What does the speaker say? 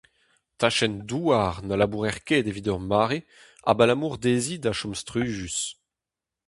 Tachenn douar na labourer ket evit ur mare abalamour dezhi da chom strujus.